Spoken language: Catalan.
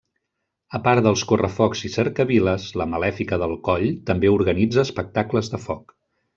A part dels correfocs i cercaviles, la Malèfica del Coll també organitza espectacles de foc.